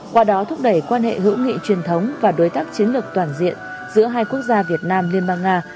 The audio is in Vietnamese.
qua đó thúc đẩy quan hệ hữu nghị truyền thống và đối tác chiến lược toàn diện giữa hai quốc gia việt nam liên bang nga